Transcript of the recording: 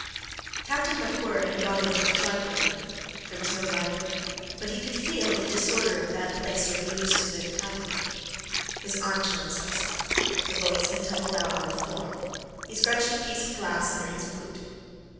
Captain MacWhirr had gone into the chart room. There was no light there; but he could feel the disorder of that place where he used to live tidily. His armchair was upset. The books had tumbled out on the floor: he scrunched a piece of glass under his boot.